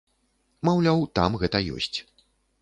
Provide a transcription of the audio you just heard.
Маўляў, там гэта ёсць.